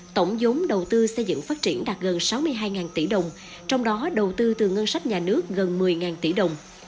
tổng giống đầu tư xây dựng phát triển đạt gần sáu mươi hai tỷ đồng trong đó đầu tư từ ngân sách nhà nước gần một mươi tỷ đồng